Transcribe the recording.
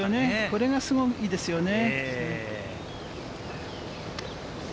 これがすごいですよね。